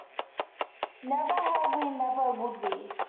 Never have we -- never would we.